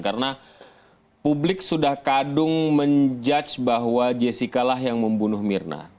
karena publik sudah kadung menjudge bahwa jessica lah yang membunuh mirna